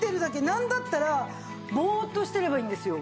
なんだったらボーッとしてればいいんですよ。